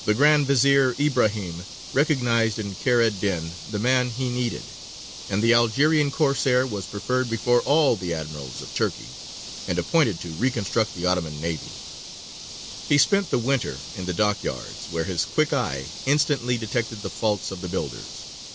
The Grand Vezīr Ibrahīm recognized in Kheyr ed dīn the man he needed, and the Algerine Corsair was preferred before all the admirals of Turkey, and appointed to reconstruct the Ottoman navy. He spent the winter in the dockyards, where his quick eye instantly detected the faults of the builders.